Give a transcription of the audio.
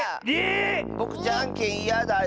えっ⁉ぼくじゃんけんいやだよ。